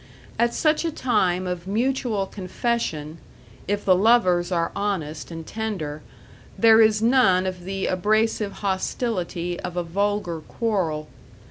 At such a time of mutual confession, if the lovers are honest and tender, there is none of the abrasive hostility of a vulgar quarrel.